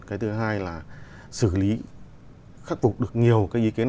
cái thứ hai là xử lý khắc phục được nhiều